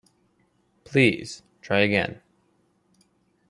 Please, try again.